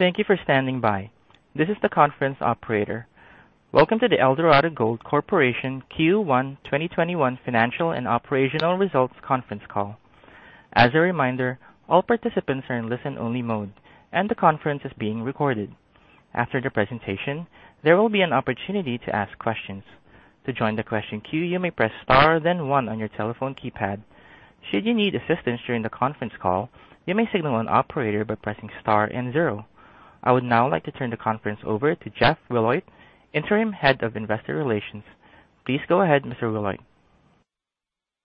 Thank you for standing by. This is the conference operator. Welcome to the Eldorado Gold Corporation Q1 2021 Financial and Operational Results Conference Call. As a reminder, all participants are in listen only mode and the conference is being recorded. After the presentation, there will be an opportunity to ask questions. To join the question queue, you may press star then one on your telephone keypad. Should you need assistance during the conference call, you may signal an operator by pressing star and zero. I would now like to turn the conference over to Jeff Wilhoit, Interim Head of Investor Relations. Please go ahead, Mr. Wilhoit.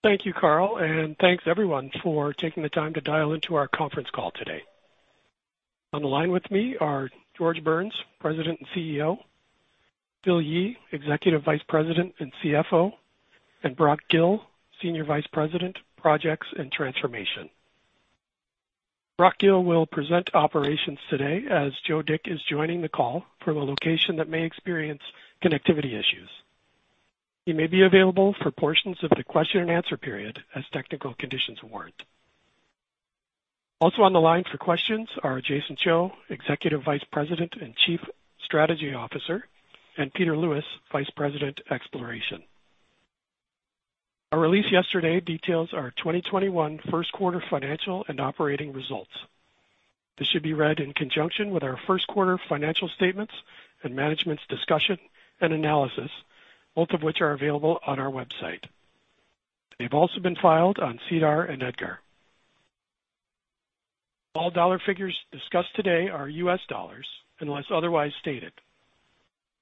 Thank you, Carl. Thanks everyone for taking the time to dial into our conference call today. On the line with me are George Burns, President and CEO, Phil Yee, Executive Vice President and CFO, and Brock Gill, Senior Vice President, Projects and Transformation. Brock Gill will present operations today as Joseph Dick is joining the call from a location that may experience connectivity issues. He may be available for portions of the question-and-answer period as technical conditions warrant. Also on the line for questions are Jason Cho, Executive Vice President and Chief Strategy Officer, and Peter Lewis, Vice President, Exploration. Our release yesterday details our 2021 first quarter financial and operating results. This should be read in conjunction with our first quarter financial statements and management's discussion and analysis, both of which are available on our website. They've also been filed on SEDAR and EDGAR. All dollar figures discussed today are U.S. dollars unless otherwise stated.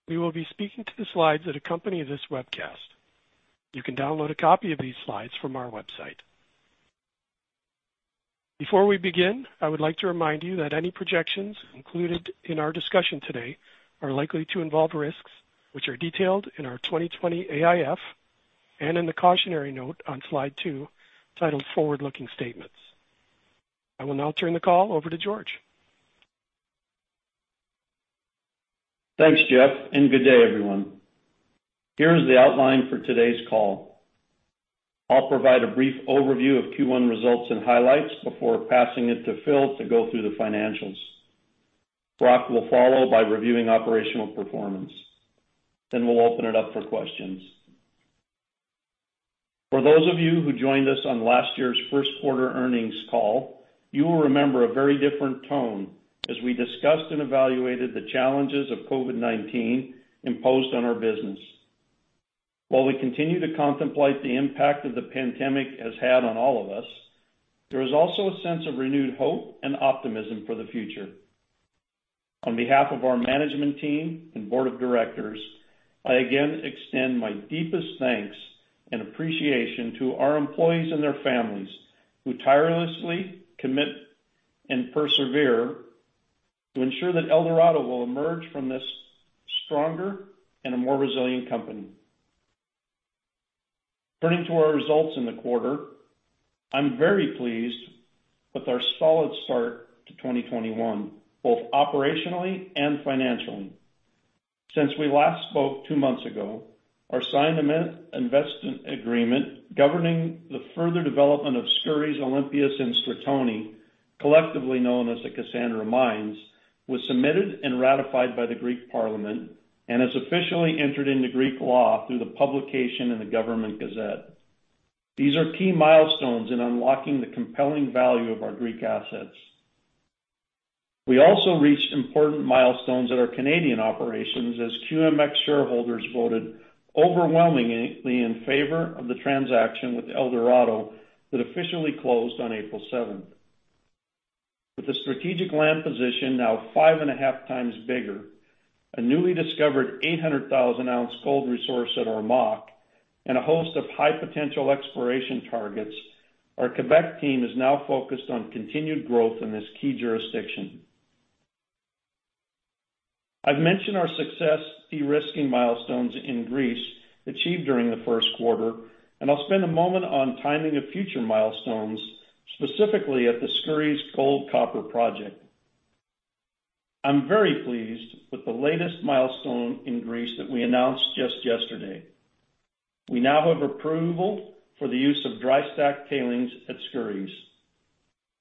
We will be speaking to the slides that accompany this webcast. You can download a copy of these slides from our website. Before we begin, I would like to remind you that any projections included in our discussion today are likely to involve risks which are detailed in our 2020 AIF and in the cautionary note on slide two titled Forward-Looking Statements. I will now turn the call over to George. Thanks, Jeff, and good day, everyone. Here is the outline for today's call. I'll provide a brief overview of Q1 results and highlights before passing it to Phil to go through the financials. Brock will follow by reviewing operational performance. We'll open it up for questions. For those of you who joined us on last year's first quarter earnings call, you will remember a very different tone as we discussed and evaluated the challenges of COVID-19 imposed on our business. While we continue to contemplate the impact that the pandemic has had on all of us, there is also a sense of renewed hope and optimism for the future. On behalf of our management team and board of directors, I again extend my deepest thanks and appreciation to our employees and their families who tirelessly commit and persevere to ensure that Eldorado will emerge from this stronger and a more resilient company. Turning to our results in the quarter, I am very pleased with our solid start to 2021, both operationally and financially. Since we last spoke two months ago, our signed Investment Agreement governing the further development of Skouries, Olympias, and Stratoni, collectively known as the Kassandra Mines, was submitted and ratified by the Hellenic Parliament and has officially entered into Greek law through the publication in the Government Gazette. These are key milestones in unlocking the compelling value of our Greek assets. We also reached important milestones at our Canadian operations as QMX shareholders voted overwhelmingly in favor of the transaction with Eldorado that officially closed on April 7th. With the strategic land position now 5.5x bigger, a newly discovered 800,000 oz gold resource at Ormaque, and a host of high potential exploration targets, our Quebec team is now focused on continued growth in this key jurisdiction. I've mentioned our success de-risking milestones in Greece achieved during the first quarter, and I'll spend a moment on timing of future milestones, specifically at the Skouries Gold-Copper Project. I'm very pleased with the latest milestone in Greece that we announced just yesterday. We now have approval for the use of dry stack tailings at Skouries.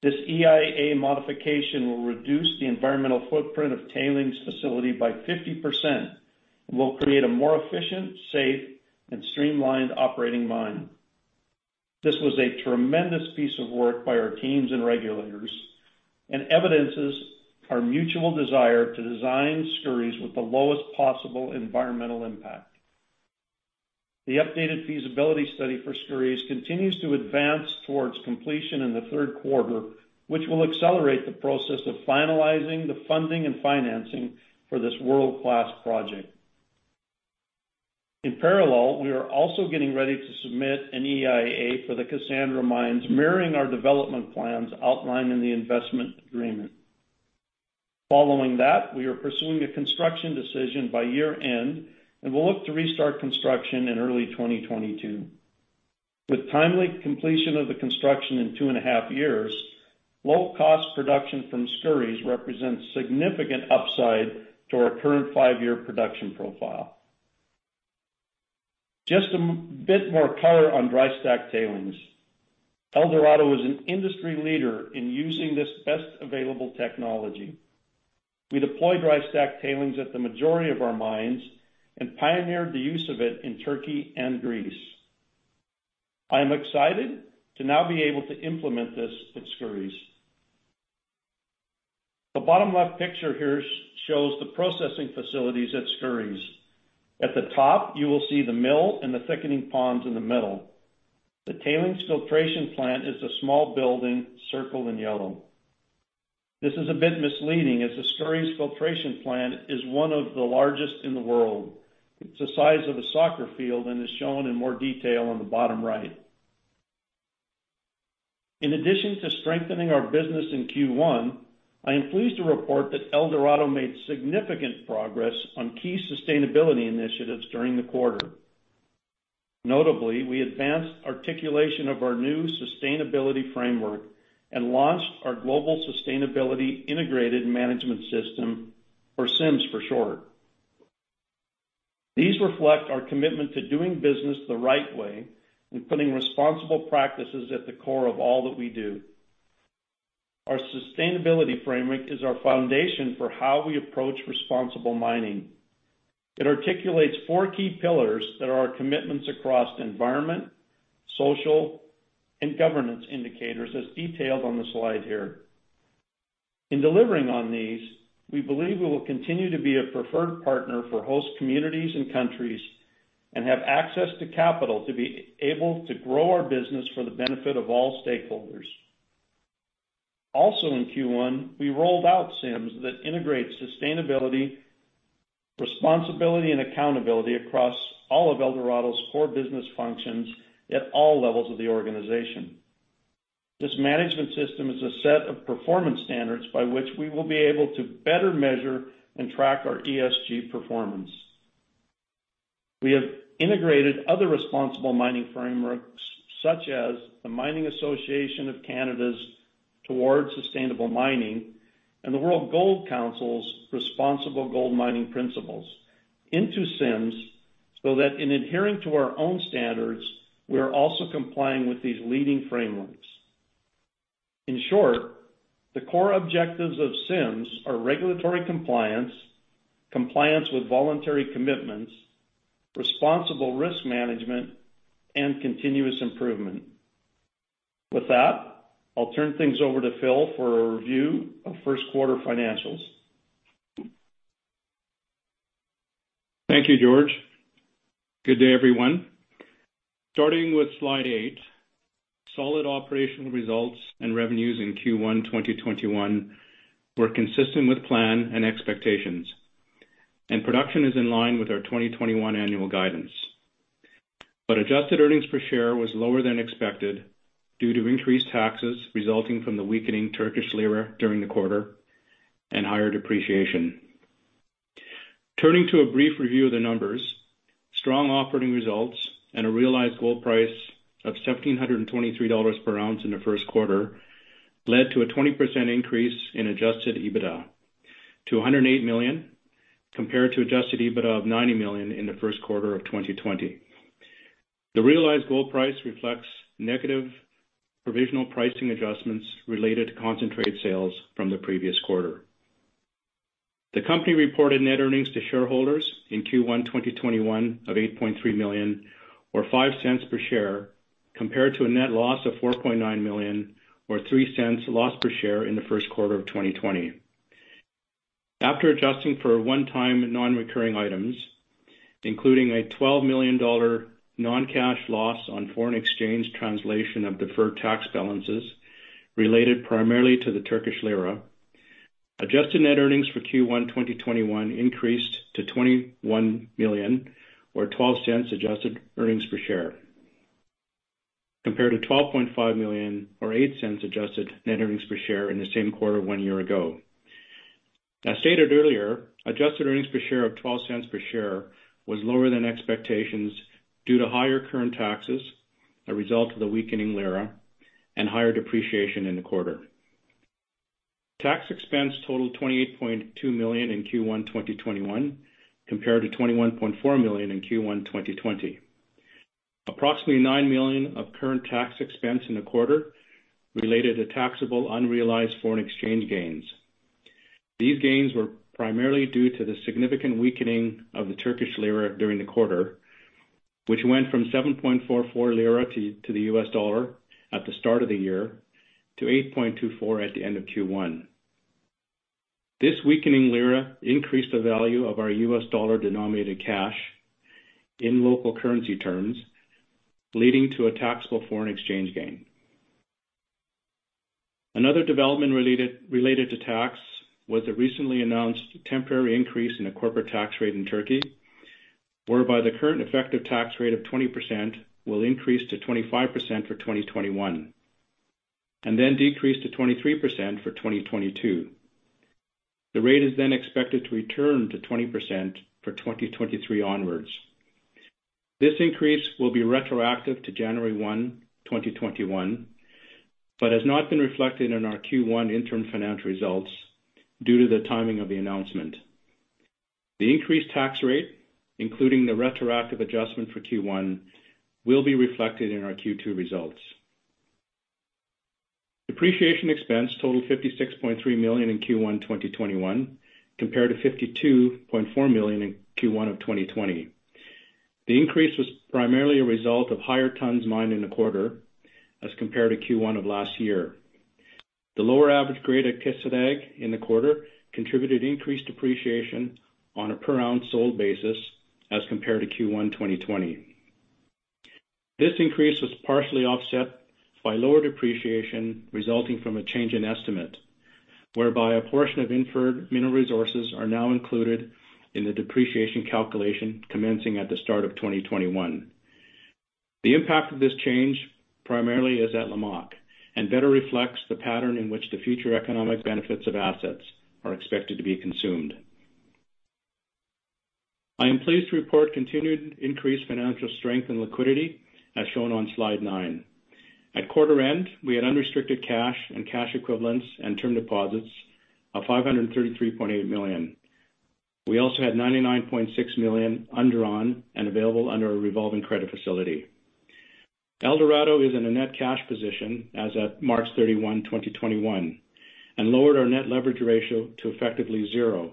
This EIA modification will reduce the environmental footprint of tailings facility by 50% and will create a more efficient, safe, and streamlined operating mine. This was a tremendous piece of work by our teams and regulators and evidences our mutual desire to design Skouries with the lowest possible environmental impact. The updated feasibility study for Skouries continues to advance towards completion in the third quarter, which will accelerate the process of finalizing the funding and financing for this world-class project. In parallel, we are also getting ready to submit an EIA for the Kassandra Mines mirroring our development plans outlined in the Investment Agreement. Following that, we are pursuing a construction decision by year-end, and we'll look to restart construction in early 2022. With timely completion of the construction in 2.5 years, low-cost production from Skouries represents significant upside to our current five-year production profile. Just a bit more color on dry stack tailings. Eldorado is an industry leader in using this best available technology. We deploy dry stack tailings at the majority of our mines and pioneered the use of it in Turkey and Greece. I am excited to now be able to implement this at Skouries. The bottom left picture here shows the processing facilities at Skouries. At the top, you will see the mill and the thickening ponds in the middle. The tailings filtration plant is a small building circled in yellow. This is a bit misleading, as the Skouries filtration plant is one of the largest in the world. It's the size of a soccer field and is shown in more detail on the bottom right. In addition to strengthening our business in Q1, I am pleased to report that Eldorado made significant progress on key sustainability initiatives during the quarter. Notably, we advanced articulation of our new Sustainability Framework and launched our Global Sustainability Integrated Management System, or SIMS for short. These reflect our commitment to doing business the right way and putting responsible practices at the core of all that we do. Our Sustainability Framework is our foundation for how we approach responsible mining. It articulates four key pillars that are our commitments across environment, social, and governance indicators, as detailed on the slide here. In delivering on these, we believe we will continue to be a preferred partner for host communities and countries and have access to capital to be able to grow our business for the benefit of all stakeholders. In Q1, we rolled out SIMS that integrates sustainability, responsibility, and accountability across all of Eldorado's core business functions at all levels of the organization. This management system is a set of performance standards by which we will be able to better measure and track our ESG performance. We have integrated other responsible mining frameworks, such as the Mining Association of Canada's Towards Sustainable Mining and the World Gold Council's Responsible Gold Mining Principles, into SIMS, that in adhering to our own standards, we are also complying with these leading frameworks. In short, the core objectives of SIMS are regulatory compliance with voluntary commitments, responsible risk management, and continuous improvement. With that, I'll turn things over to Phil for a review of first quarter financials. Thank you, George. Good day, everyone. Starting with slide eight, solid operational results and revenues in Q1 2021 were consistent with plan and expectations, and production is in line with our 2021 annual guidance. Adjusted earnings per share was lower than expected due to increased taxes resulting from the weakening Turkish lira during the quarter and higher depreciation. Turning to a brief review of the numbers, strong operating results and a realized gold price of $1,723 per oz in the first quarter led to a 20% increase in adjusted EBITDA to $108 million, compared to adjusted EBITDA of $90 million in the first quarter of 2020. The realized gold price reflects negative provisional pricing adjustments related to concentrate sales from the previous quarter. The company reported net earnings to shareholders in Q1 2021 of $8.3 million, or $0.05 per share, compared to a net loss of $4.9 million or $0.03 loss per share in the first quarter of 2020. After adjusting for one-time non-recurring items, including a $12 million non-cash loss on foreign exchange translation of deferred tax balances related primarily to the Turkish lira, adjusted net earnings for Q1 2021 increased to $21 million or $0.12 adjusted earnings per share, compared to $12.5 million or $0.08 adjusted net earnings per share in the same quarter one year ago. As stated earlier, adjusted earnings per share of $0.12 per share was lower than expectations due to higher current taxes, a result of the weakening lira, and higher depreciation in the quarter. Tax expense totaled $28.2 million in Q1 2021 compared to $21.4 million in Q1 2020. Approximately $9 million of current tax expense in the quarter related to taxable unrealized foreign exchange gains. These gains were primarily due to the significant weakening of the Turkish lira during the quarter, which went from 7.44 lira to the U.S. dollar at the start of the year to 8.24 at the end of Q1. This weakening lira increased the value of our U.S. dollar-denominated cash in local currency terms, leading to a taxable foreign exchange gain. Another development related to tax was the recently annozd temporary increase in the corporate tax rate in Turkey, whereby the current effective tax rate of 20% will increase to 25% for 2021 and then decrease to 23% for 2022. The rate is then expected to return to 20% for 2023 onwards. This increase will be retroactive to January 1, 2021. It has not been reflected in our Q1 interim financial results due to the timing of the annozment. The increased tax rate, including the retroactive adjustment for Q1, will be reflected in our Q2 results. Depreciation expense totaled $56.3 million in Q1 2021 compared to $52.4 million in Q1 of 2020. The increase was primarily a result of higher tons mined in the quarter as compared to Q1 of last year. The lower average grade at Kışladağ in the quarter contributed increased depreciation on a per oz sold basis as compared to Q1 2020. This increase was partially offset by lower depreciation resulting from a change in estimate, whereby a portion of inferred mineral resources are now included in the depreciation calculation commencing at the start of 2021. The impact of this change primarily is at Lamaque and better reflects the pattern in which the future economic benefits of assets are expected to be consumed. I am pleased to report continued increased financial strength and liquidity as shown on slide nine. At quarter end, we had unrestricted cash and cash equivalents and term deposits of $533.8 million. We also had $99.6 million undrawn and available under a revolving credit facility. Eldorado is in a net cash position as at March 31, 2021, and lowered our net leverage ratio to effectively 0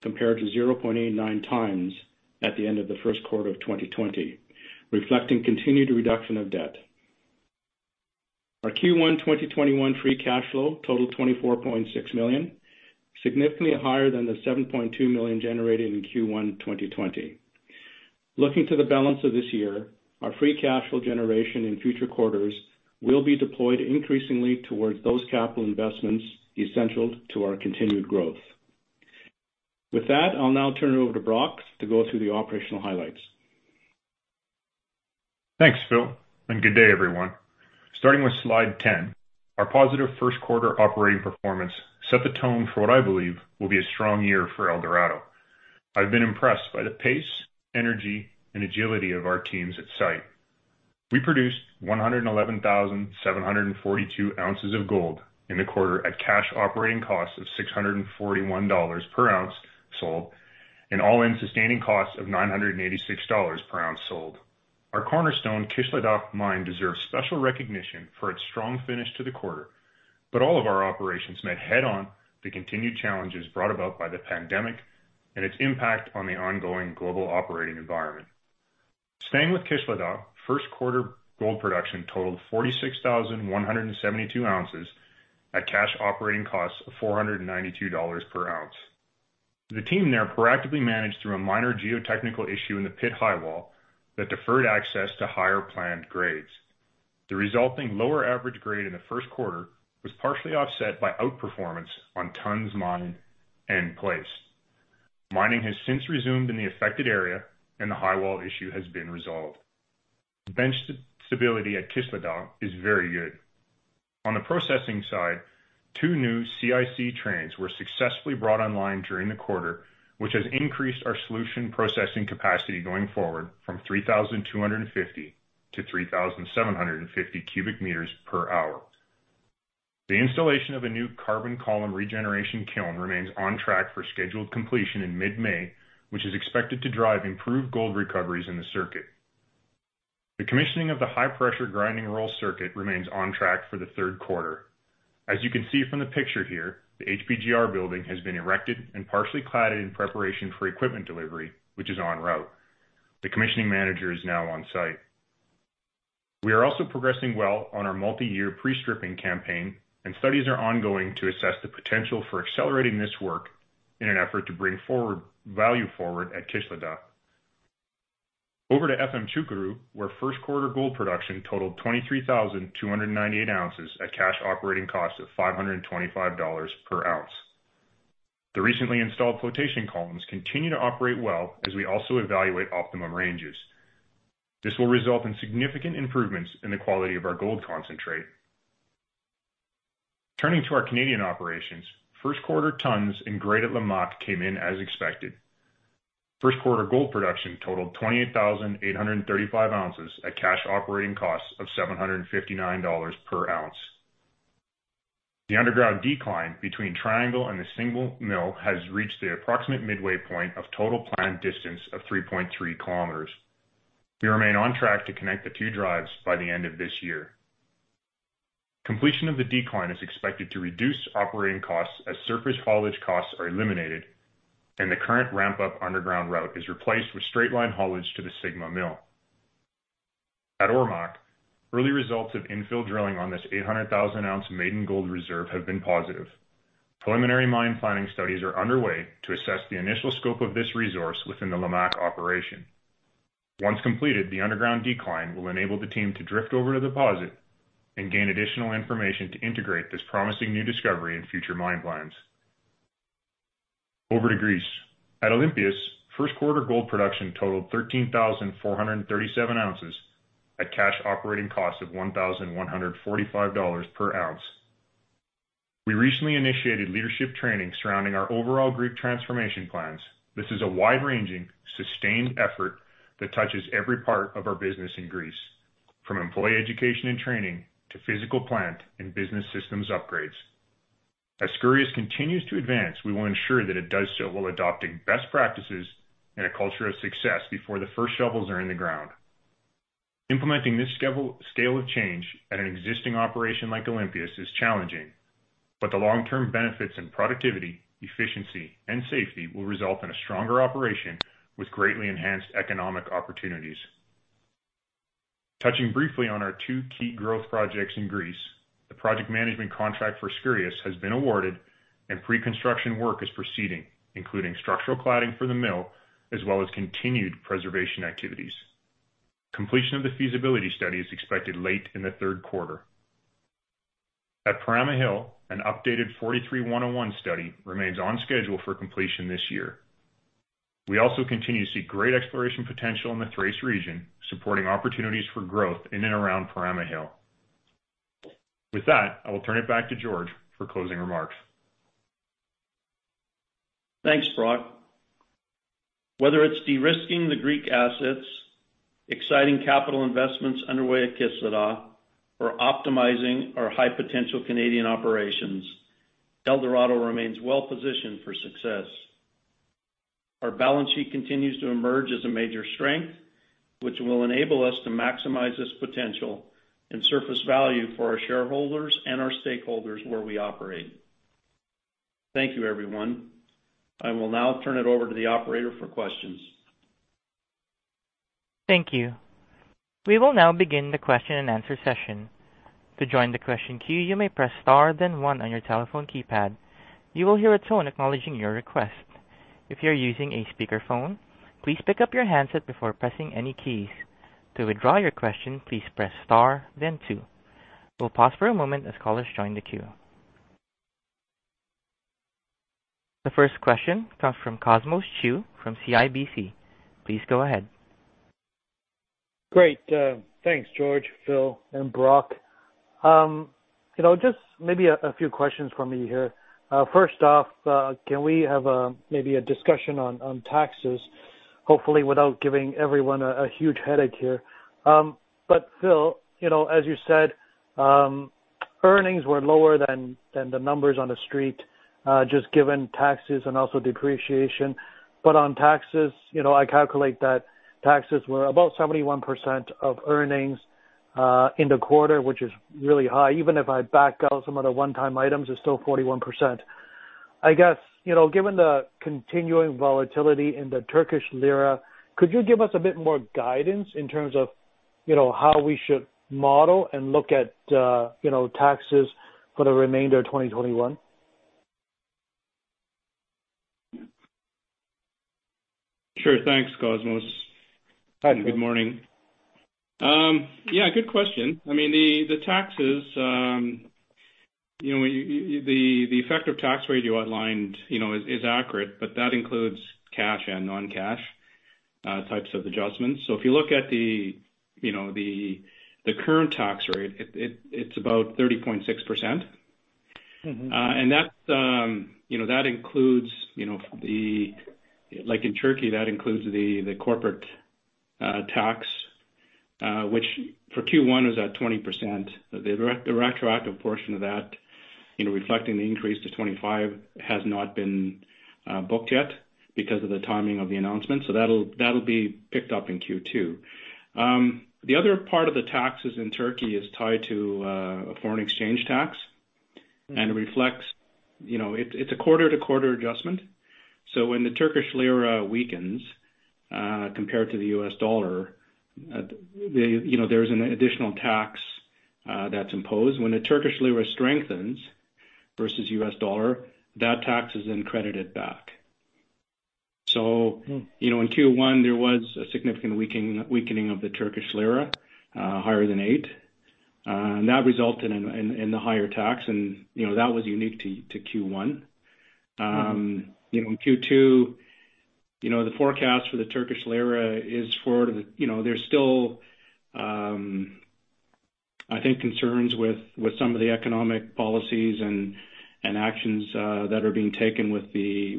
compared to 0.89x at the end of the first quarter of 2020, reflecting continued reduction of debt. Our Q1 2021 free cash flow totaled $24.6 million, significantly higher than the $7.2 million generated in Q1 2020. Looking to the balance of this year, our free cash flow generation in future quarters will be deployed increasingly towards those capital investments essential to our continued growth. With that, I'll now turn it over to Brock to go through the operational highlights. Thanks, Phil, good day everyone. Starting with slide 10, our positive first quarter operating performance set the tone for what I believe will be a strong year for Eldorado. I've been impressed by the pace, energy, and agility of our teams at site. We produced 111,742 oz of gold in the quarter at cash operating costs of $641 per oz sold and all-in sustaining costs of $986 per oz sold. Our cornerstone Kışladağ Mine deserves special recognition for its strong finish to the quarter. All of our operations met head on the continued challenges brought about by the pandemic and its impact on the ongoing global operating environment. Staying with Kışladağ, first quarter gold production totaled 46,172 oz at cash operating costs of $492 per oz. The team there proactively managed through a minor geotechnical issue in the pit highwall that deferred access to higher planned grades. The resulting lower average grade in the first quarter was partially offset by outperformance on tons mined and placed. Mining has since resumed in the affected area, and the high wall issue has been resolved. Bench stability at Kışladağ is very good. On the processing side, two new CIC trains were successfully brought online during the quarter, which has increased our solution processing capacity going forward from 3,250 to 3,750 cubic meters per hour. The installation of a new carbon regeneration kiln remains on track for scheduled completion in mid-May, which is expected to drive improved gold recoveries in the circuit. The commissioning of the high-pressure grinding roll circuit remains on track for the third quarter. As you can see from the picture here, the HPGR building has been erected and partially cladded in preparation for equipment delivery, which is en route. The commissioning manager is now on site. We are also progressing well on our multi-year pre-stripping campaign, and studies are ongoing to assess the potential for accelerating this work in an effort to bring value forward at Kışladağ. Over to Efemçukuru, where first quarter gold production totaled 23,298 oz at cash operating costs of $525 per oz. The recently installed flotation columns continue to operate well as we also evaluate optimum ranges. This will result in significant improvements in the quality of our gold concentrate. Turning to our Canadian operations, first quarter tons and grade at Lamaque came in as expected. First quarter gold production totaled 28,835 oz at cash operating costs of $759 per oz. The underground decline between Triangle and the Sigma Mill has reached the approximate midway point of total planned distance of 3.3 km. We remain on track to connect the two drives by the end of this year. Completion of the decline is expected to reduce operating costs as surface haulage costs are eliminated and the current ramp up underground route is replaced with straight line haulage to the Sigma Mill. At Ormaque, early results of infill drilling on this 800,000-oz maiden gold reserve have been positive. Preliminary mine planning studies are underway to assess the initial scope of this resource within the Lamaque operation. Once completed, the underground decline will enable the team to drift over the deposit and gain additional information to integrate this promising new discovery in future mine plans. Over to Greece. At Olympias, first quarter gold production totaled 13,437 oz at cash operating costs of $1,145 per oz. We recently initiated leadership training surrounding our overall group transformation plans. This is a wide-ranging, sustained effort that touches every part of our business in Greece, from employee education and training to physical plant and business systems upgrades. As Skouries continues to advance, we will ensure that it does so while adopting best practices and a culture of success before the first shovels are in the ground. Implementing this scale of change at an existing operation like Olympias is challenging, but the long-term benefits in productivity, efficiency, and safety will result in a stronger operation with greatly enhanced economic opportunities. Touching briefly on our two key growth projects in Greece, the project management contract for Skouries has been awarded and pre-construction work is proceeding, including structural cladding for the mill as well as continued preservation activities. Completion of the feasibility study is expected late in the third quarter. At Perama Hill, an updated 43-101 study remains on schedule for completion this year. We also continue to see great exploration potential in the Thrace region, supporting opportunities for growth in and around Perama Hill. With that, I will turn it back to George for closing remarks. Thanks, Brock. Whether it's de-risking the Greek assets, exciting capital investments underway at Kışladağ, or optimizing our high-potential Canadian operations, Eldorado remains well-positioned for success. Our balance sheet continues to emerge as a major strength, which will enable us to maximize this potential and surface value for our shareholders and our stakeholders where we operate. Thank you, everyone. I will now turn it over to the operator for questions. Thank you. We will now begin the question-and-answer session. To join the question queue, you may press star then one on your telephone keypad. You will hear a tone acknowledging your request. If you are using a speaker phone, please pick-up your handset before pressing any keys. To withdraw your question, please press star then two. We will pause for a moment as callers join the queue. The first question comes from Cosmos Chiu from CIBC. Please go ahead. Great. Thanks, George, Phil, and Brock. Maybe a few questions from me here. First off, can we have maybe a discussion on taxes, hopefully without giving everyone a huge headache here? Phil, as you said, earnings were lower than the numbers on the street, just given taxes and also depreciation. On taxes, I calculate that taxes were about 71% of earnings in the quarter, which is really high. Even if I back out some of the one-time items, it's still 41%. I guess, given the continuing volatility in the Turkish lira, could you give us a bit more guidance in terms of how we should model and look at taxes for the remainder of 2021? Sure. Thanks, Cosmos. Hi. Good morning. Yeah, good question. The taxes, the effective tax rate you outlined is accurate, but that includes cash and non-cash types of adjustments. If you look at the current tax rate, it's about 30.6%. That includes, like in Turkey, that includes the corporate tax, which for Q1 was at 20%. The retroactive portion of that reflecting the increase to 25 has not been booked yet because of the timing of the announcement. That'll be picked up in Q2. The other part of the taxes in Turkey is tied to a foreign exchange tax. It's a quarter-to-quarter adjustment. When the Turkish lira weakens compared to the U.S. dollar, there's an additional tax that's imposed. When the Turkish lira strengthens versus U.S. dollar, that tax is then credited back. In Q1, there was a significant weakening of the Turkish lira, higher than eight, and that resulted in the higher tax. That was unique to Q1. In Q2, the forecast for the Turkish lira is forward. There's still, I think, concerns with some of the economic policies and actions that are being taken with the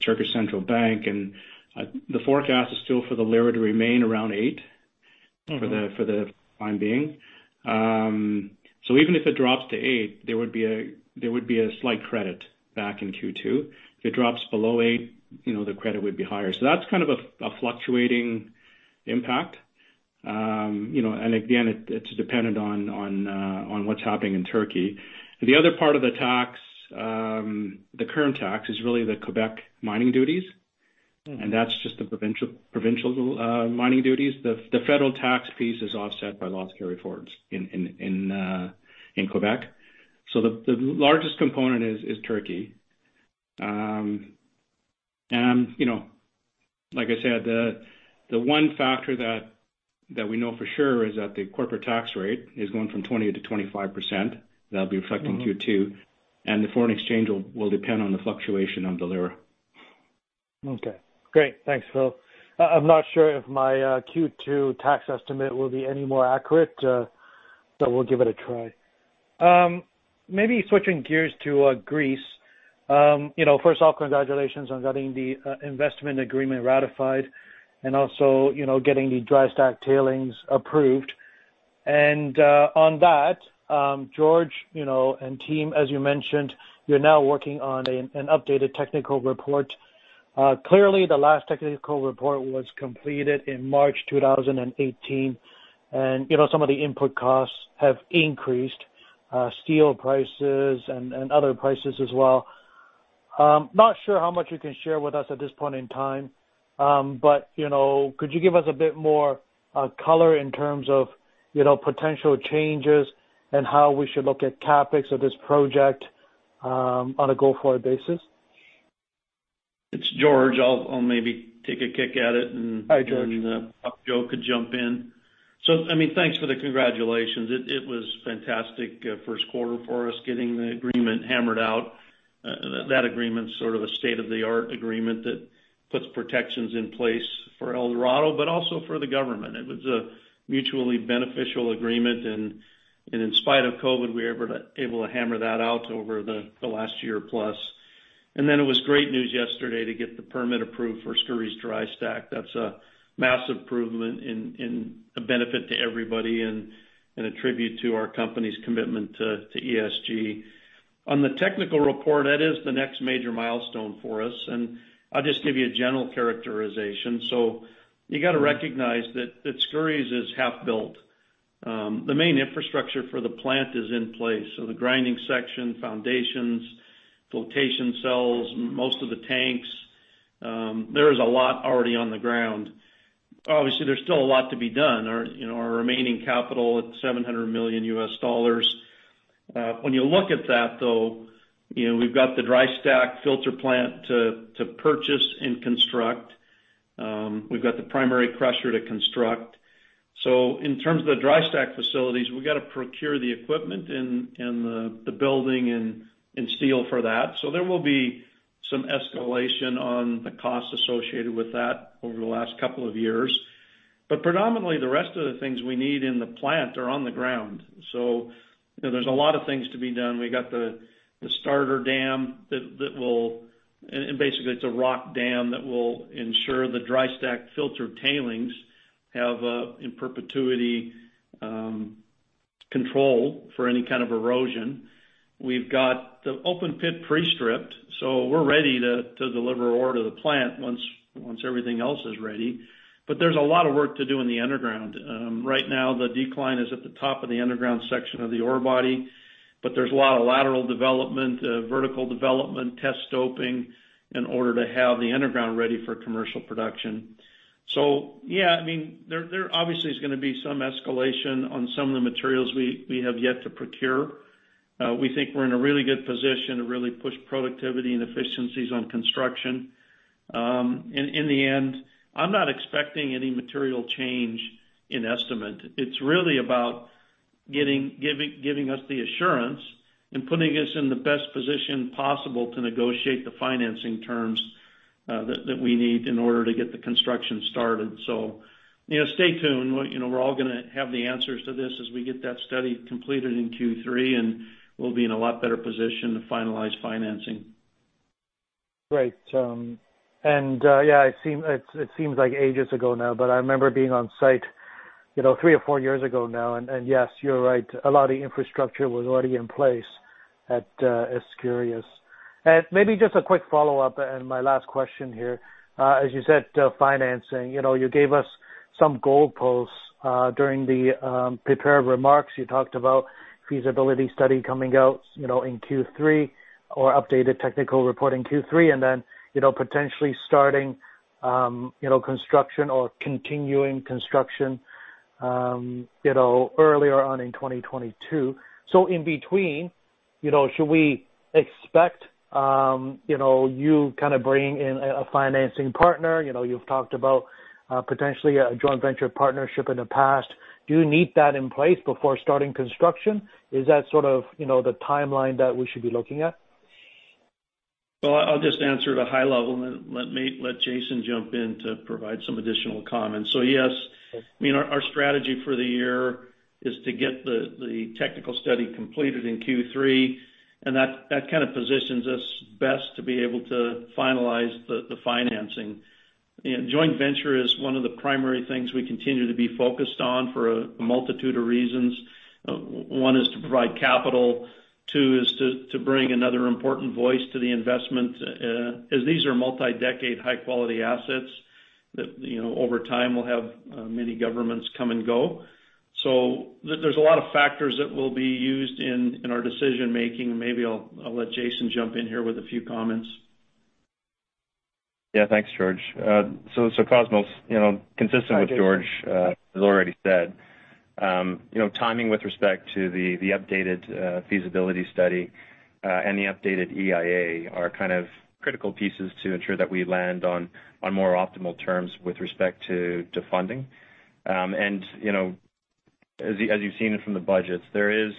Turkish Central Bank. The forecast is still for the lira to remain around eight for the time being. Even if it drops to eight, there would be a slight credit back in Q2. If it drops below eight, the credit would be higher. That's kind of a fluctuating impact. Again, it's dependent on what's happening in Turkey. The other part of the current tax is really the Quebec mining duties, and that's just the provincial mining duties. The federal tax piece is offset by loss carryforwards in Quebec. The largest component is Turkey. Like I said, the one factor that we know for sure is that the corporate tax rate is going from 20% to 25%. That'll be affecting Q2, and the foreign exchange will depend on the fluctuation of the lira. Okay, great. Thanks, Phil. I'm not sure if my Q2 tax estimate will be any more accurate, but we'll give it a try. Maybe switching gears to Greece. First of all, congratulations on getting the Investment Agreement ratified and also getting the dry stack tailings approved. On that, George, and team, as you mentioned, you're now working on an updated technical report. Clearly, the last technical report was completed in March 2018, some of the input costs have increased, steel prices and other prices as well. Not sure how much you can share with us at this point in time, but could you give us a bit more color in terms of potential changes and how we should look at CapEx of this project on a go-forward basis? It's George. I'll maybe take a kick at it. Hi, George Joe could jump in. Thanks for the congratulations. It was a fantastic first quarter for us getting the Investment Agreement hammered out. That Investment Agreement is sort of a state-of-the-art agreement that puts protections in place for Eldorado, but also for the government. It was a mutually beneficial Investment Agreement, in spite of COVID, we were able to hammer that out over the last year plus. It was great news yesterday to get the permit approved for Skouries dry stack. That's a massive improvement and a benefit to everybody and an attribute to our company's commitment to ESG. On the technical report, that is the next major milestone for us, and I'll just give you a general characterization. You got to recognize that Skouries is half built. The main infrastructure for the plant is in place, so the grinding section, foundations, flotation cells, most of the tanks. There is a lot already on the ground. Obviously, there's still a lot to be done. Our remaining capital, it's $700 million. When you look at that, though, we've got the dry stack filter plant to purchase and construct. We've got the primary crusher to construct. In terms of the dry stack facilities, we've got to procure the equipment and the building and steel for that. There will be some escalation on the costs associated with that over the last couple of years. Predominantly, the rest of the things we need in the plant are on the ground. There's a lot of things to be done. We got the starter dam, and basically, it's a rock dam that will ensure the dry stack filter tailings have a in perpetuity control for any kind of erosion. We've got the open pit pre-stripped, so we're ready to deliver ore to the plant once everything else is ready. There's a lot of work to do in the underground. Right now, the decline is at the top of the underground section of the ore body, but there's a lot of lateral development, vertical development, test stoping in order to have the underground ready for commercial production. Yeah, there obviously is going to be some escalation on some of the materials we have yet to procure. We think we're in a really good position to really push productivity and efficiencies on construction. In the end, I'm not expecting any material change in estimate. It's really about giving us the assurance and putting us in the best position possible to negotiate the financing terms that we need in order to get the construction started. Stay tuned. We're all going to have the answers to this as we get that study completed in Q3, and we'll be in a lot better position to finalize financing. Great. Yeah, it seems like ages ago now, but I remember being on site three or four years ago now, and yes, you're right, a lot of the infrastructure was already in place at Skouries. Maybe just a quick follow-up and my last question here. As you said, financing. You gave us some goalposts during the prepared remarks. You talked about feasibility study coming out in Q3 or updated technical report in Q3, then potentially starting construction or continuing construction earlier on in 2022. In between, should we expect bring in a financing partner? You've talked about potentially a joint venture partnership in the past. Do you need that in place before starting construction? Is that sort of the timeline that we should be looking at? I'll just answer at a high level and let Jason jump in to provide some additional comments. Yes, our strategy for the year is to get the technical study completed in Q3, and that positions us best to be able to finalize the financing. Joint venture is one of the primary things we continue to be focused on for a multitude of reasons. One is to provide capital, two is to bring another important voice to the investment, as these are multi-decade, high quality assets that over time will have many governments come and go. There's a lot of factors that will be used in our decision-making. Maybe I'll let Jason jump in here with a few comments. Yeah, thanks, George. Cosmos Chiu, consistent with George has already said, timing with respect to the updated feasibility study, and the updated EIA are critical pieces to ensure that we land on more optimal terms with respect to funding. As you've seen it from the budgets, there is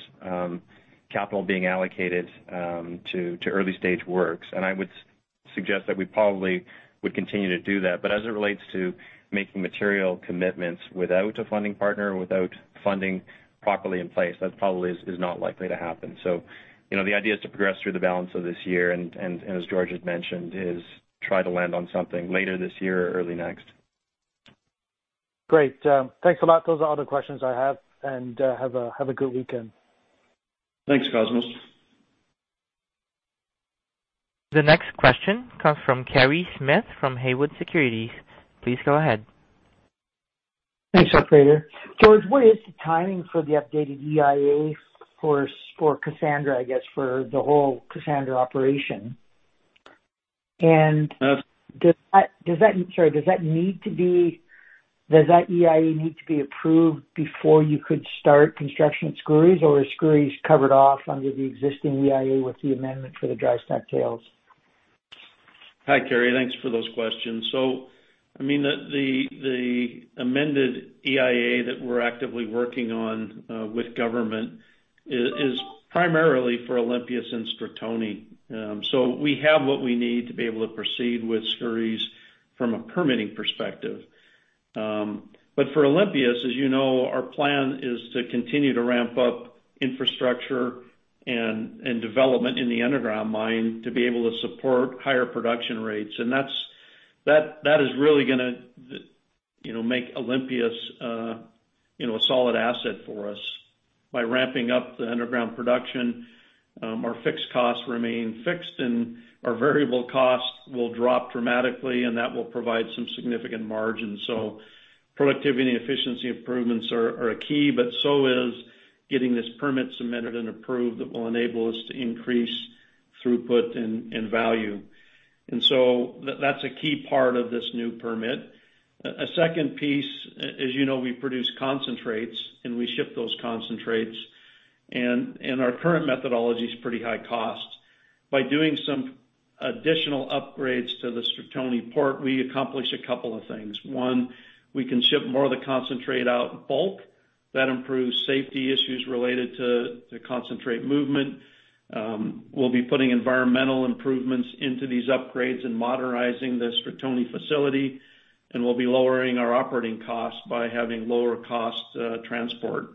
capital being allocated to early-stage works, and I would suggest that we probably would continue to do that. As it relates to making material commitments without a funding partner, without funding properly in place, that probably is not likely to happen. The idea is to progress through the balance of this year, and as George had mentioned is, try to land on something later this year or early next. Great. Thanks a lot. Those are all the questions I have. Have a good weekend. Thanks, Cosmos. The next question comes from Kerry Smith from Haywood Securities. Please go ahead. Thanks, operator. George, what is the timing for the updated EIA for Kassandra, I guess, for the whole Kassandra operation? Does that EIA need to be approved before you could start construction at Skouries, or is Skouries covered off under the existing EIA with the amendment for the dry stack tailings? Hi, Kerry. Thanks for those questions. The amended EIA that we're actively working on with government is primarily for Olympias and Stratoni. We have what we need to be able to proceed with Skouries from a permitting perspective. For Olympias, as you know, our plan is to continue to ramp up infrastructure and development in the underground mine to be able to support higher production rates. That is really going to make Olympias a solid asset for us. By ramping up the underground production, our fixed costs remain fixed, and our variable costs will drop dramatically, and that will provide some significant margin. Productivity and efficiency improvements are key, but so is getting this permit submitted and approved that will enable us to increase throughput and value. That's a key part of this new permit. A second piece, as you know, we produce concentrates and we ship those concentrates, and our current methodology is pretty high cost. By doing some additional upgrades to the Stratoni port, we accomplish a couple of things. One, we can ship more of the concentrate out in bulk. That improves safety issues related to concentrate movement. We'll be putting environmental improvements into these upgrades and modernizing the Stratoni facility, and we'll be lowering our operating costs by having lower cost transport.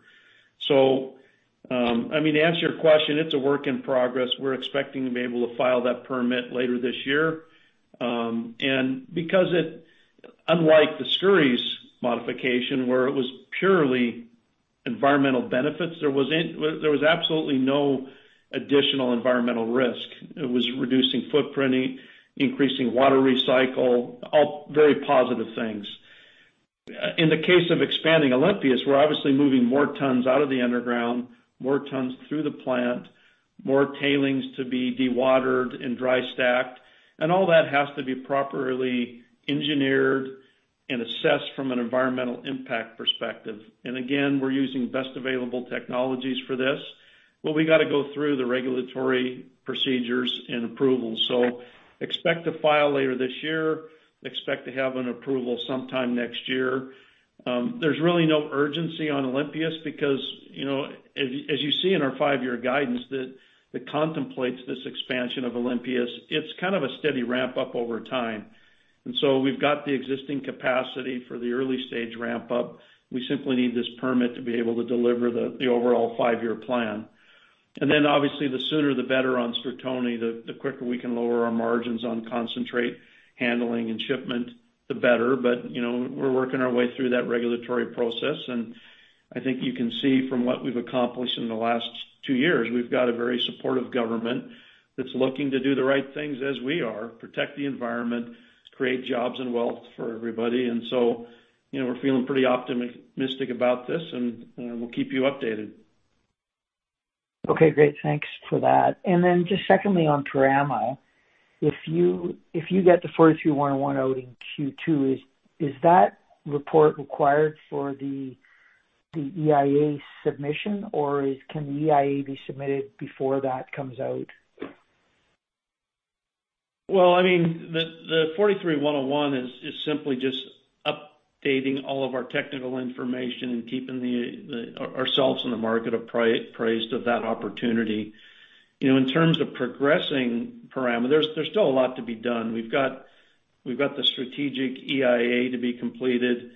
To answer your question, it's a work in progress. We're expecting to be able to file that permit later this year. Because it, unlike the Skouries modification, where it was purely environmental benefits, there was absolutely no additional environmental risk. It was reducing footprinting, increasing water recycle, all very positive things. In the case of expanding Olympias, we're obviously moving more tons out of the underground, more tons through the plant, more tailings to be dewatered and dry stacked, all that has to be properly engineered and assessed from an environmental impact perspective. Again, we're using best available technologies for this, we got to go through the regulatory procedures and approvals. Expect to file later this year, expect to have an approval sometime next year. There's really no urgency on Olympias because, as you see in our five-year guidance that contemplates this expansion of Olympias, it's kind of a steady ramp up over time. We've got the existing capacity for the early stage ramp up. We simply need this permit to be able to deliver the overall five-year plan. Obviously, the sooner the better on Stratoni, the quicker we can lower our margins on concentrate handling and shipment, the better. We're working our way through that regulatory process, and I think you can see from what we've accomplished in the last two years, we've got a very supportive government that's looking to do the right things as we are, protect the environment, create jobs and wealth for everybody. We're feeling pretty optimistic about this, and we'll keep you updated. Okay, great. Thanks for that. Just secondly on Perama, if you get the 43-101 out in Q2, is that report required for the EIA submission, or can the EIA be submitted before that comes out? Well, the 43-101 is simply just updating all of our technical information and keeping ourselves and the market appraised of that opportunity. In terms of progressing Perama, there's still a lot to be done. We've got the Strategic Environmental Assessment to be completed.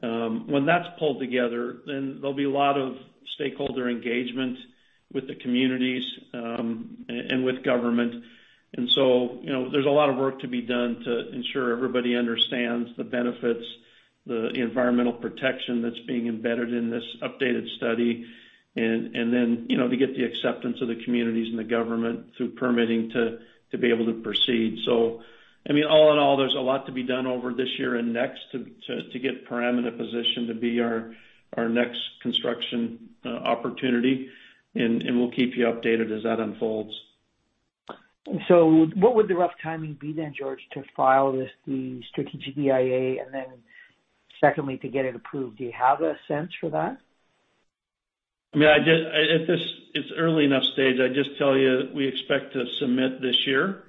When that's pulled together, there'll be a lot of stakeholder engagement with the communities, and with government. There's a lot of work to be done to ensure everybody understands the benefits, the environmental protection that's being embedded in this updated study, and then to get the acceptance of the communities and the government through permitting to be able to proceed. All in all, there's a lot to be done over this year and next to get Perama in a position to be our next construction opportunity, and we'll keep you updated as that unfolds. What would the rough timing be then, George, to file the strategic EIA and then secondly, to get it approved? Do you have a sense for that? Yeah, it's early enough stage. I'd just tell you we expect to submit this year,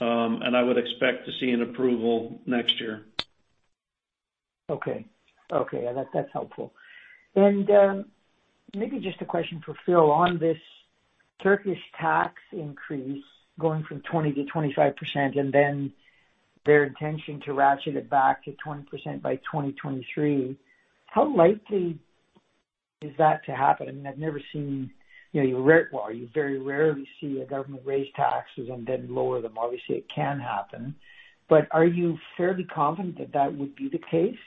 and I would expect to see an approval next year. Okay. Yeah, that's helpful. Maybe just a question for Phil on this Turkish tax increase going from 20% to 25%, and then their intention to ratchet it back to 20% by 2023. How likely is that to happen? You very rarely see a government raise taxes and then lower them. Obviously, it can happen, but are you fairly confident that that would be the case?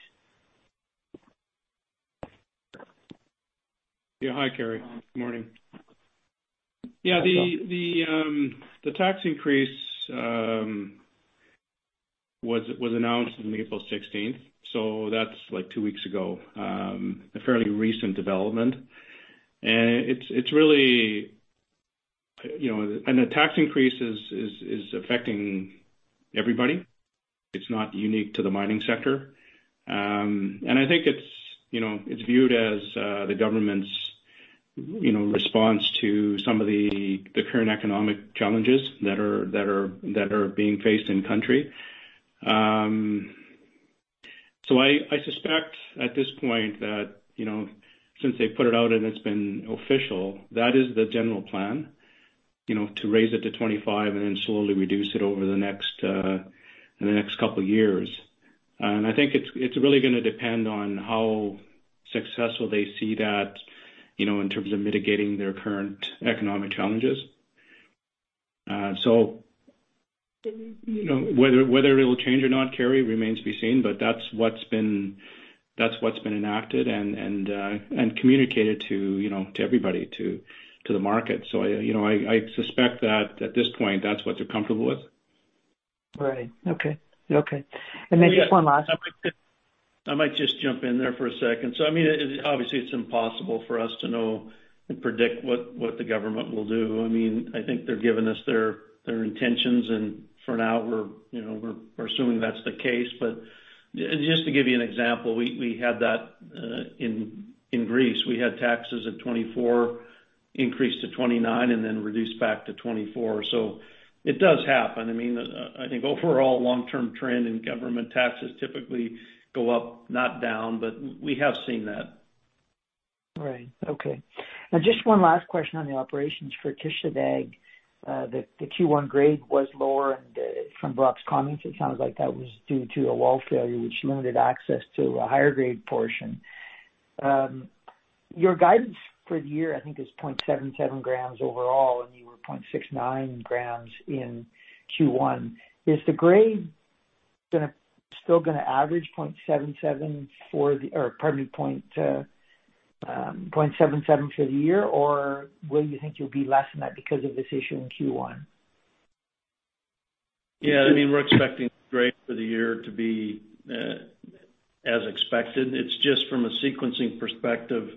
Hi, Kerry. Good morning. The tax increase was announced on April 16th, that's like two weeks ago. A fairly recent development. The tax increase is affecting everybody. It's not unique to the mining sector. I think it's viewed as the government's response to some of the current economic challenges that are being faced in the country. I suspect at this point that, since they've put it out and it's been official, that is the general plan, to raise it to 25% and then slowly reduce it over the next couple of years. I think it's really going to depend on how successful they see that in terms of mitigating their current economic challenges. Whether it will change or not, Kerry, remains to be seen, but that's what's been enacted and communicated to everybody, to the market. I suspect that at this point, that's what they're comfortable with. Right. Okay. Just one last. I might just jump in there for a second. Obviously, it's impossible for us to know and predict what the government will do. I think they're giving us their intentions, and for now we're assuming that's the case. Just to give you an example, we had that in Greece. We had taxes at 24%, increased to 29%, and then reduced back to 24%. It does happen. I think overall long-term trend in government taxes typically go up, not down, but we have seen that. Right. Okay. Now, just one last question on the operations for Kışladağ. The Q1 grade was lower, and from Brock's comments, it sounds like that was due to a wall failure which limited access to a higher-grade portion. Your guidance for the year, I think, is 0.77 grams overall, and you were 0.69 grams in Q1. Is the grade still going to average 0.77 for the year, or will you think you'll be less than that because of this issue in Q1? Yeah, we're expecting grade for the year to be as expected. It's just from a sequencing perspective,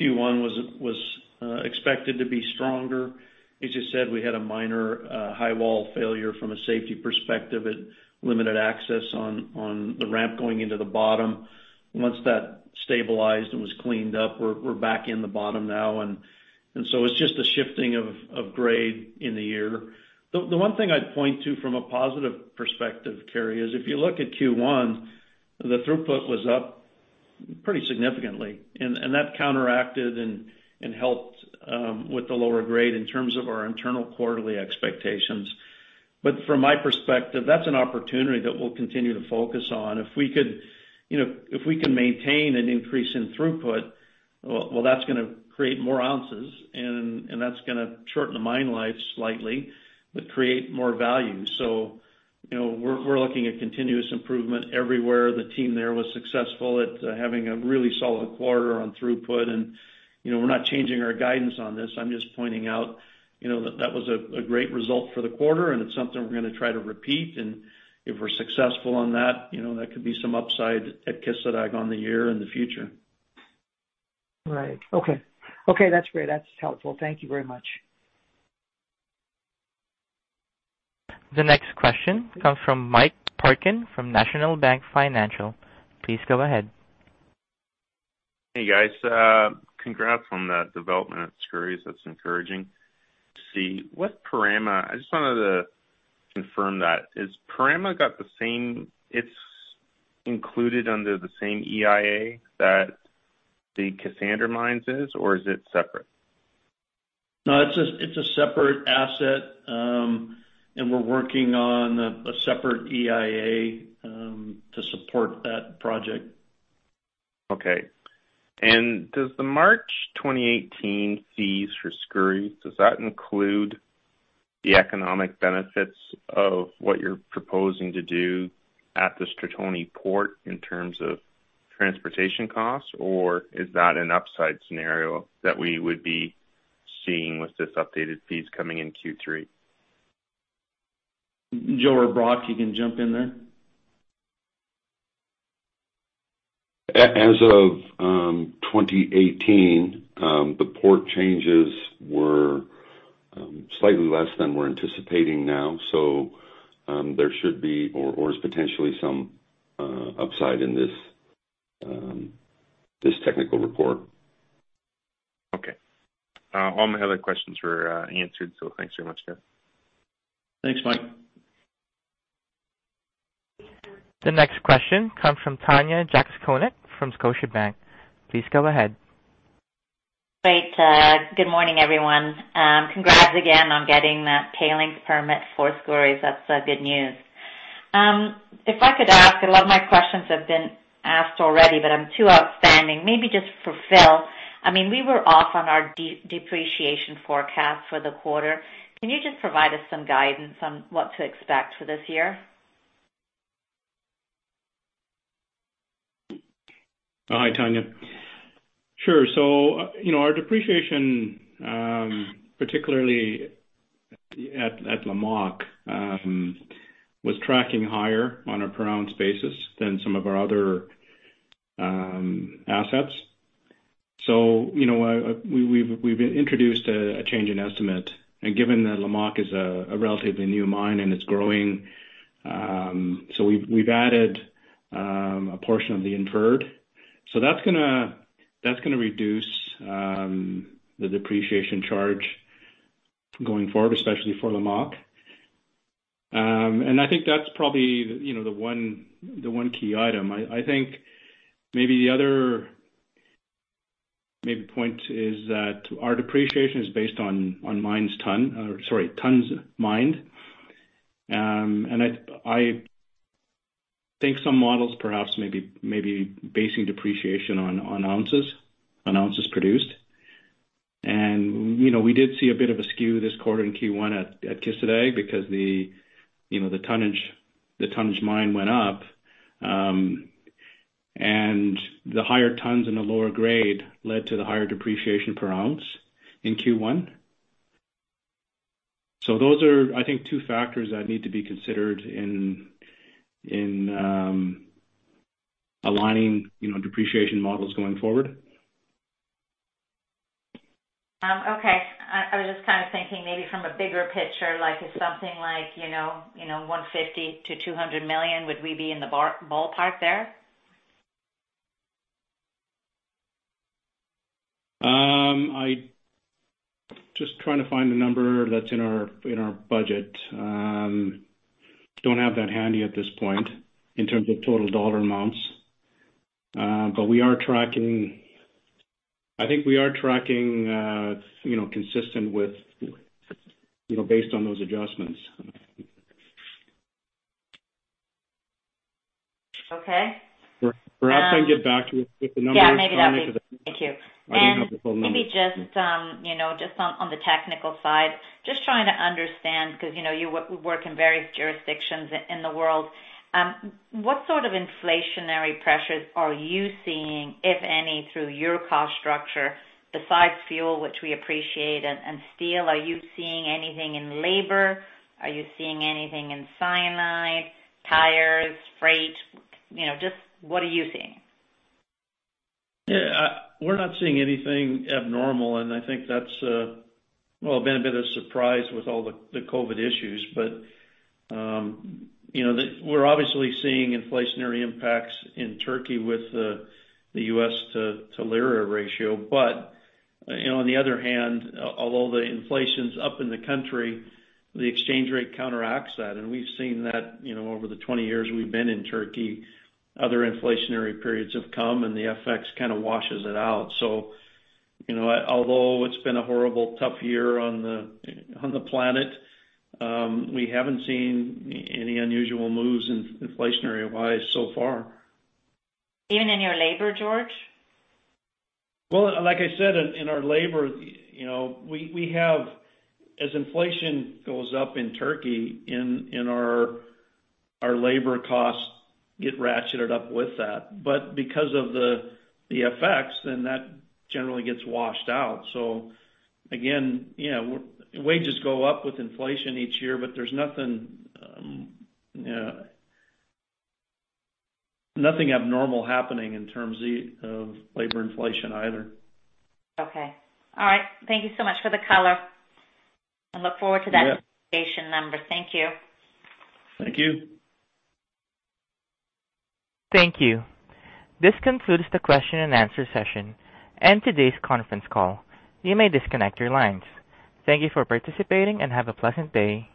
Q1 was expected to be stronger. As you said, we had a minor high wall failure from a safety perspective. It limited access on the ramp going into the bottom. Once that stabilized and was cleaned up, we're back in the bottom now. It's just a shifting of grade in the year. The one thing I'd point to from a positive perspective, Kerry, is if you look at Q1, the throughput was up pretty significantly, and that counteracted and helped with the lower grade in terms of our internal quarterly expectations. From my perspective, that's an opportunity that we'll continue to focus on. If we can maintain an increase in throughput, well, that's going to create more ounces and that's going to shorten the mine life slightly but create more value. We're looking at continuous improvement everywhere. The team there was successful at having a really solid quarter on throughput. We're not changing our guidance on this. I'm just pointing out that was a great result for the quarter and it's something we're going to try to repeat. If we're successful on that, there could be some upside at Kışladağ on the year in the future. Right. Okay. That's great. That's helpful. Thank you very much. The next question comes from Mike Parkin from National Bank Financial. Please go ahead. Hey, guys. Congrats on the development at Skouries. That's encouraging to see. With Perama, I just wanted to confirm that. It's included under the same EIA that the Kassandra Mines is, or is it separate? No, it's a separate asset. We're working on a separate EIA to support that project. Okay. Does the March 2018 feasibility study for Skouries include the economic benefits of what you're proposing to do at the Stratoni port in terms of transportation costs, or is that an upside scenario that we would be seeing with this updated feasibility study coming in Q3? Joe or Brock, you can jump in there. As of 2018, the port changes were slightly less than we're anticipating now. There should be or is potentially some upside in this technical report. Okay. All my other questions were answered. Thanks very much, guys. Thanks, Mike. The next question comes from Tanya Jakusconek from Scotiabank. Please go ahead. Great. Good morning, everyone. Congrats again on getting that tailings permit for Skouries. That's good news. If I could ask, a lot of my questions have been asked already, but I have two outstanding. Maybe just for Phil, we were off on our depreciation forecast for the quarter. Can you just provide us some guidance on what to expect for this year? Hi, Tanya. Sure. Our depreciation, particularly at Lamaque, was tracking higher on a per-ounce basis than some of our other assets. We've introduced a change in estimate and given that Lamaque is a relatively new mine and it's growing, so we've added a portion of the inferred. That's going to reduce the depreciation charge going forward, especially for Lamaque. I think that's probably the one key item. I think maybe the other point is that our depreciation is based on tons mined. I think some models perhaps may be basing depreciation on ounces produced. We did see a bit of a skew this quarter in Q1 at Kışladağ because the tonnage mined went up. The higher tons and the lower grade led to the higher depreciation per oz in Q1. Those are, I think, two factors that need to be considered in aligning depreciation models going forward. Okay. I was just kind of thinking maybe from a bigger picture, like if something like $150 million-$200 million, would we be in the ballpark there? I just trying to find the number that's in our budget. Don't have that handy at this point in terms of total dollar amounts. I think we are tracking, consistent with based on those adjustments. Okay. Perhaps I can get back with the numbers. Yeah, maybe that'd be great. Thank you. I don't have the full numbers. Maybe just on the technical side, just trying to understand because you work in various jurisdictions in the world. What sort of inflationary pressures are you seeing, if any, through your cost structure besides fuel, which we appreciate, and steel? Are you seeing anything in labor? Are you seeing anything in cyanide, tires, freight? Just what are you seeing? Yeah. We're not seeing anything abnormal, and I think that's, well, been a bit of surprise with all the COVID issues. We're obviously seeing inflationary impacts in Turkey with the U.S. to lira ratio. On the other hand, although the inflation's up in the country, the exchange rate counteracts that. We've seen that over the 20 years we've been in Turkey. Other inflationary periods have come, and the FX kind of washes it out. Although it's been a horrible, tough year on the planet, we haven't seen any unusual moves in inflationary-wise so far. Even in your labor, George? Well, like I said, in our labor, we have, as inflation goes up in Turkey, our labor costs get ratcheted up with that. Because of the FX, that generally gets washed out. Again, wages go up with inflation each year, there's nothing abnormal happening in terms of labor inflation either. Okay. All right. Thank you so much for the color. I look forward to that number. Thank you. Thank you. Thank you. This concludes the question-and-answer session and today's conference call. You may disconnect your lines. Thank you for participating and have a pleasant day.